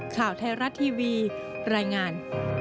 ข่าวไทยรัฐทีวีรายงาน